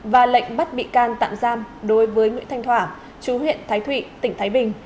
và lệnh bắt bị can tạm giam đối với nguyễn thanh thỏa chú huyện thái thụy tỉnh thái bình